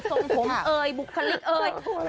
เซ้นผงเอ่ยบุคริกเอ่ย